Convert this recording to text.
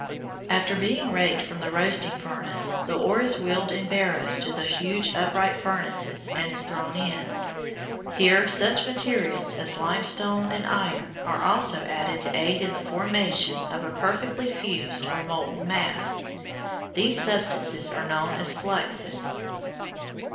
After being raked from the roasting furnace, the ore is wheeled in barrows to the huge upright furnaces and is thrown in. Here such materials as limestone and iron are also added to aid in the formation of a perfectly fused or molten mass. These substances are known as fluxes.